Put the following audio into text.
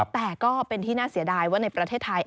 แต่ก็เป็นที่น่าเสียดายว่าในประเทศไทย